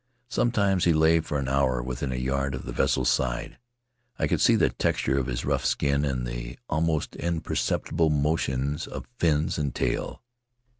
Sometimes he lay for an hour within a yard of the vessel's side; I could see the tex ture of his rough skin and the almost imperceptible mo tion of fins and tail.